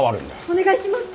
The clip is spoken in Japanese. お願いします。